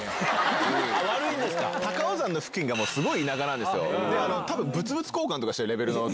高尾山の付近がすごい田舎なんですよ。